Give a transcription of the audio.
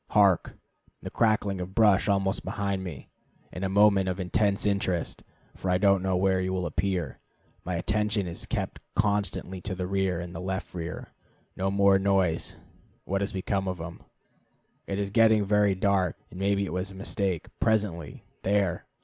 Hark! the crackling of brush almost behind me. It is a moment of intense interest, for I don't know where he will appear. My attention is kept constantly to the rear and left rear. No more noise. What has become of him? It is getting very dark, and maybe it was a mistake. Presently, there!